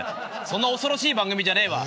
そんな恐ろしい番組じゃねえわ。